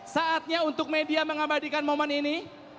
saatnya untuk media mengabadikan momen ini